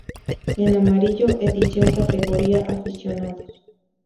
En amarillo: edición categoría Aficionados.